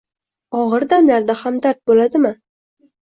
og‘ir damlarda hamdard bo‘ladimi?